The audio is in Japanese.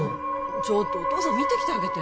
ちょっとお父さん見てきてあげて・